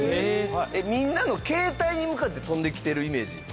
みんなの携帯に向かって飛んできてるイメージですか？